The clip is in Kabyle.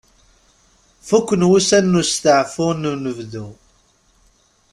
Fukken wussan n usteɛfu n unebdu.